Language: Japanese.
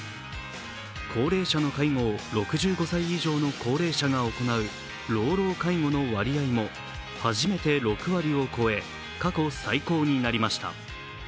高齢者の介護を６５歳以上の高齢者が行う老老介護の割合も初めて６割を超え過去最高になりました。